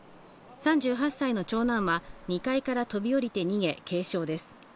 ３８歳の長男は２階から飛び降りて逃げ、軽傷です。